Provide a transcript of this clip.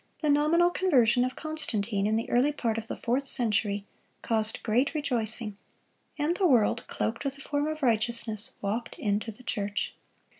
The nominal conversion of Constantine, in the early part of the fourth century, caused great rejoicing; and the world, cloaked with a form of righteousness, walked into the church.